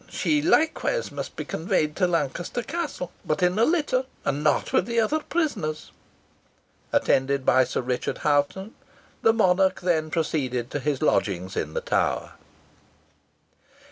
She likewise must be conveyed to Lancaster Castle but in a litter, and not with the other prisoners." Attended by Sir Richard Hoghton, the monarch then proceeded to his lodgings in the Tower.